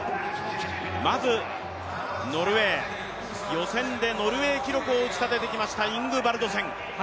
まずノルウェー予選でノルウェー記録を打ち立ててきましたイングバルドセン。